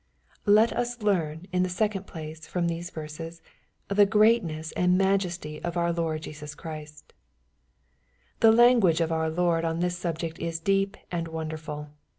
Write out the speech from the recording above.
Let us learn, in the second place, from these verses, the greatness and majesty of our Lord Jesus Christ, The language of our Lord on this subject is deep and wonderful.